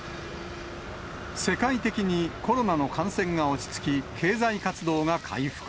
世界的にコロナの感染が落ち着き、経済活動が回復。